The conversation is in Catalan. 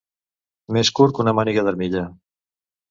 Més curt que una màniga d'armilla.